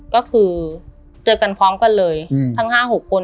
ก็คือเจอกันพร้อมกันเลยทั้ง๕๖คน